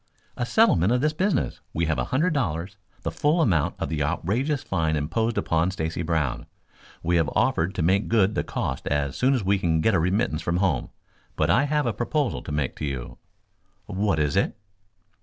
"A settlement of this business. We have a hundred dollars, the full amount of the outrageous fine imposed upon Stacy Brown. We have offered to make good the costs as soon as we can get a remittance from home. But I have a proposal to make to you." "What is it?"